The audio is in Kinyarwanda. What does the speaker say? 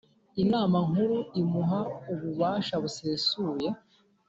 Inama Nkuru imuha ububasha busesuye